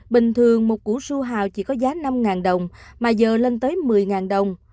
bình thường một củ ru hào chỉ có giá năm đồng mà giờ lên tới một mươi đồng